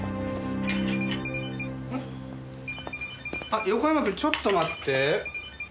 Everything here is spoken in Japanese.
あっ横山君ちょっと待って。